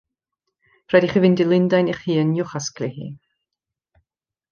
Rhaid i chi fynd i Lundain eich hun i'w chasglu hi.